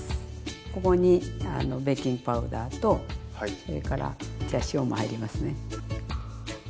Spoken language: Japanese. ここにベーキングパウダーとそれから塩も入りますね。